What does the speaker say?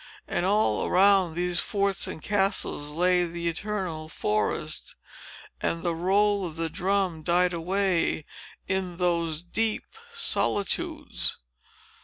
And all around these forts and castles lay the eternal forest; and the roll of the drum died away in those deep solitudes.